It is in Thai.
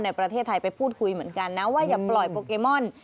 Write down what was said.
ในประเทศไทยไปพูดคุยเหมือนกันนะว่าอย่าปล่อยโปเกมอน